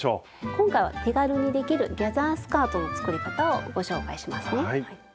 今回は手軽にできるギャザースカートの作り方をご紹介しますね。